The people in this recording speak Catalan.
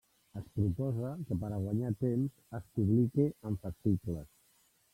Es proposa que per a guanyar temps es publique en fascicles.